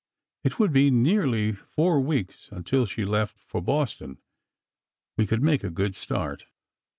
It would be nearly four weeks until she left for Boston. We could make a good start.